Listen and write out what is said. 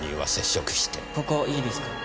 ここいいですか？